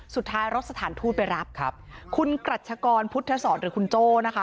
สุดท้ายรถสถานทูตไปรับครับคุณกรัชกรพุทธศรหรือคุณโจ้นะคะ